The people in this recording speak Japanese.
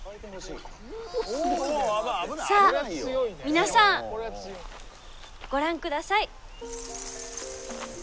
さあ皆さんご覧ください！